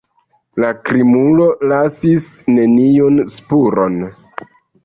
La krimulo lasis neniun spuron.